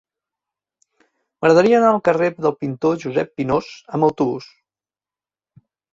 M'agradaria anar al carrer del Pintor Josep Pinós amb autobús.